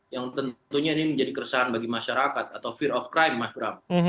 yang tentunya ini menjadi keresahan bagi masyarakat atau fear of crime mas bram